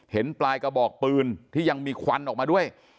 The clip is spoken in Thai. เห็นปลายกระบอกปืนที่ยังมีควันออกมาด้วย